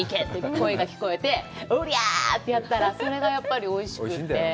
声が聞こえて、オリャってやったら、それがやっぱりおいしくて。